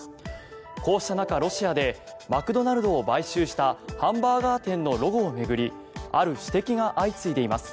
こうした中、ロシアでマクドナルドを買収したハンバーガー店のロゴを巡りある指摘が相次いでいます。